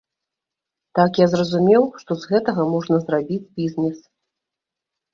Так я зразумеў, што з гэтага можна зрабіць бізнес.